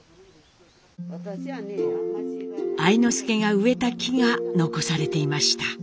愛之助が植えた木が残されていました。